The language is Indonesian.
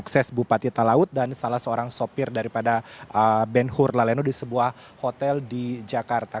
ini merupakan pengusaha yang dekat dengan bupati talaut dan salah seorang sopir daripada ben hur laleno di sebuah hotel di jakarta